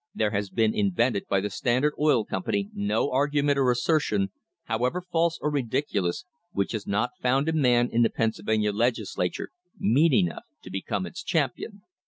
... There has been invented by the Standard Oil Company no argument or assertion, however false or ridicu lous, which has not found a man in the Pennsylvania Legisla ture mean enough to become its champion."